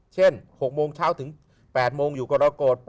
เช่น๖โมงเช้าถึง๘โมงอยู่กรกฏ